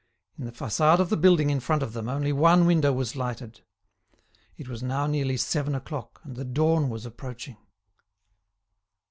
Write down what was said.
In the façade of the building in front of them only one window was lighted. It was now nearly seven o'clock and the dawn was approaching.